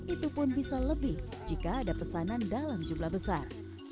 itu pun bisa lebih jika ada pesanan dalam jumlah besar